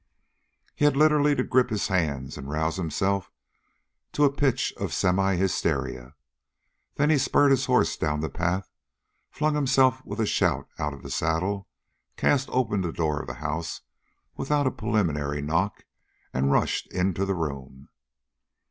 He had literally to grip his hands and rouse himself to a pitch of semihysteria. Then he spurred his horse down the path, flung himself with a shout out of the saddle, cast open the door of the house without a preliminary knock, and rushed into the room.